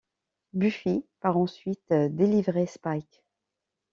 Buffy part ensuite délivrer Spike.